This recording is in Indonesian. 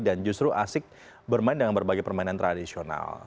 dan justru asik bermain dengan berbagai permainan tradisional